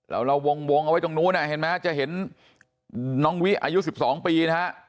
แล้วเราวงเอาไว้ตรงนู้นจะเห็นน้องวิอายุ๑๒ปี